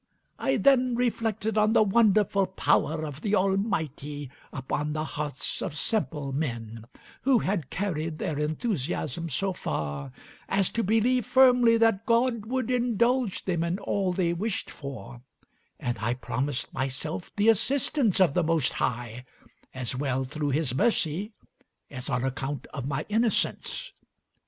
I then reflected on the wonderful power of the Almighty upon the hearts of simple men, who had carried their enthusiasm so far as to believe firmly that God would indulge them in all they wished for; and I promised myself the assistance of the Most High, as well through His mercy as on account of my innocence.